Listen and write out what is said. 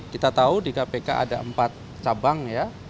kita tahu di kpk ada empat cabang ya